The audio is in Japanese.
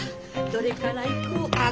どれから行こうあっ